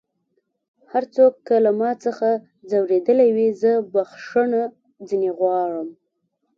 هر څوک که له ما څخه ځؤرېدلی وي زه بخښنه ځينې غواړم